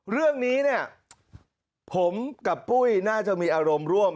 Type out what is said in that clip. เรื่องนี้เนี่ยผมกับปุ้ยน่าจะมีอารมณ์ร่วม